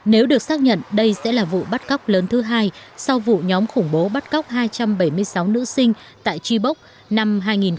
nếu được xác nhận đây sẽ là vụ bắt cóc lớn thứ hai sau vụ nhóm khủng bố bắt cóc hai trăm bảy mươi sáu nữ sinh tại tri bộk năm hai nghìn một mươi